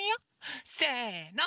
せの！